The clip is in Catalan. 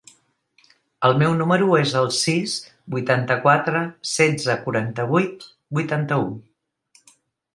El meu número es el sis, vuitanta-quatre, setze, quaranta-vuit, vuitanta-u.